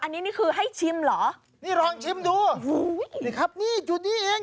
อันนี้นี่คือให้ชิมเหรอนี่ลองชิมดูโอ้โหนี่ครับนี่อยู่นี่เอง